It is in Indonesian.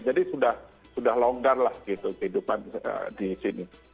jadi sudah longgar lah kehidupan di sini